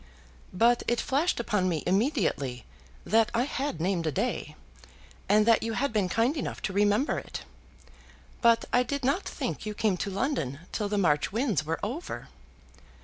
"But it flashed upon me immediately that I had named a day, and that you had been kind enough to remember it. But I did not think you came to London till the March winds were over."